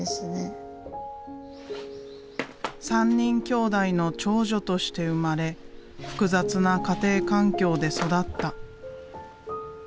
３人きょうだいの長女として生まれ複雑な家庭環境で育った。